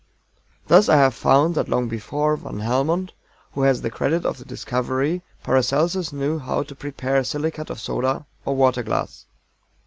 Thus I have found that long before VAN HELMONT, who has the credit of the discovery, PARACELSUS knew how to prepare silicate of soda, or water glass.